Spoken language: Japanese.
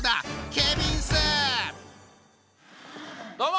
どうも！